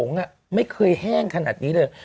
คุณน้องโหงไม่เคยแห้งขนาดนี้เลย